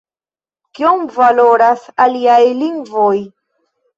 Kiom valoras “aliaj lingvoj?